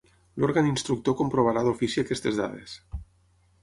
L'òrgan instructor comprovarà d'ofici aquestes dades.